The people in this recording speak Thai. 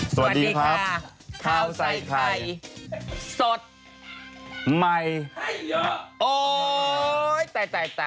สวัสดีครับข้าวใส่ไข่สดใหม่โอ๊ยตายตายตายตาย